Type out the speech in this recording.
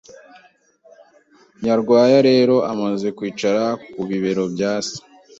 Nyarwaya rero amaze kwicara ku bibero bya se